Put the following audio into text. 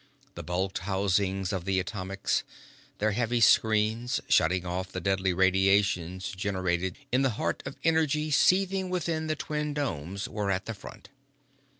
The bulked housings of the atomics, their heavy screens shutting off the deadly radiations generated in the heart of energy seething within the twin domes, were at the front.